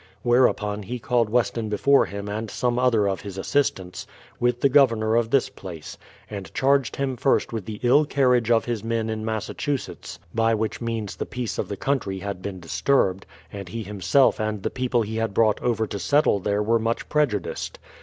Whereupon he called Weston before him and some other of his assistants, with the Governor of this place; and charged him first wdth the ill carriage of his men in Massachusetts, by which means the peace of the country had been disturbed, and he himself and the people he had brought over to settle there were much prejudiced.